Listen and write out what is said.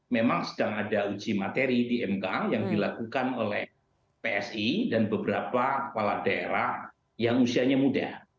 memang sedang ada uji materi di mk yang dilakukan oleh psi dan beberapa kepala daerah yang usianya muda